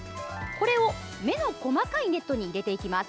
これを目の細かいネットに入れていきます。